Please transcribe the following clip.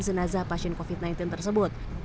jenazah pasien covid sembilan belas tersebut